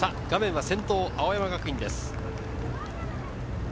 画面は先頭・青山学院です。